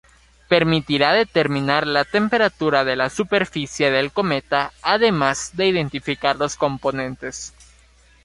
Permitirá determinar la temperatura de la superficie del cometa, además de identificar los componentes.